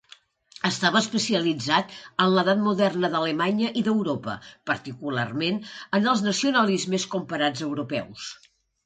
Estava especialitzat en l'Edat Moderna d'Alemanya i d'Europa, particularment, en els nacionalismes comparats europeus.